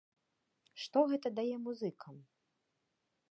Што гэта дае музыкам?